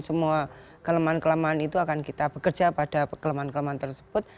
semua kelemahan kelemahan itu akan kita bekerja pada kelemahan kelemahan tersebut